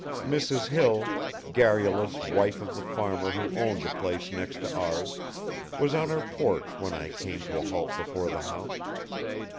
Mrs. Hill, garrulous wife of the farmer who owned the place next to ours, was on her porch when I came to a halt before the house.